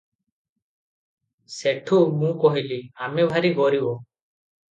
ସେଠୁଁ ମୁଁ କହିଲି- "ଆମେ ଭାରୀ ଗରିବ ।